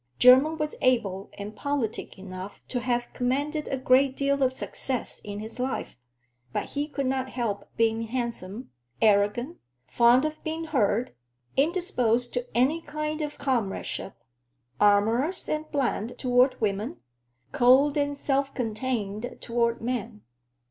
Jermyn was able and politic enough to have commanded a great deal of success in his life, but he could not help being handsome, arrogant, fond of being heard, indisposed to any kind of comradeship, amorous and bland toward women, cold and self contained toward men.